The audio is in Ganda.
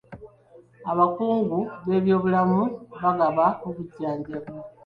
Abakungu b'ebyobulamu bagaba obujjanjabi.